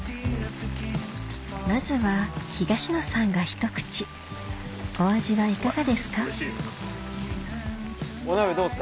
まずは東野さんがひと口お味はいかがですか？